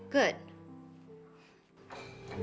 tapi bagi dia